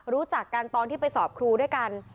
รู้จักกันตอนที่ไปสอบครูด้วยกัน